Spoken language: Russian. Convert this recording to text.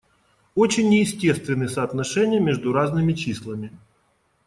Очень неестественны соотношения между разными числами.